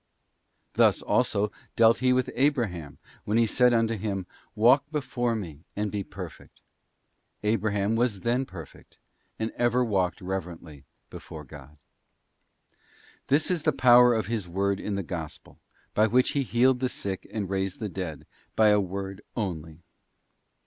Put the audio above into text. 't Thus, also, dealt He with Abraham, when He said unto him, 'Walk before Me, and be perfect.' Abraham was then perfect, and ever walked reverently before God. This is the power of His word in the Gospel, by which _ He healed the sick and raised the dead, by a word only.